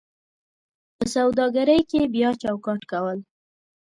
په سوداګرۍ کې بیا چوکاټ کول: